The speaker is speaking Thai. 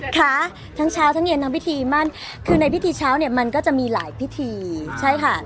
ค่ะทั้งเช้าทั้งเย็นทั้งพิธีมั่นคือในพิธีเช้าเนี่ยมันก็จะมีหลายพิธีใช่ค่ะ